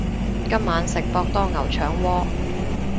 今晚食博多牛腸鍋